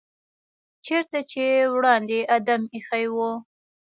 چېرته چې وړاندې آدم ایښی و.